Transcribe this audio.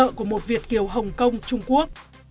đòi nợ của một việt kiều hồng kông trung quốc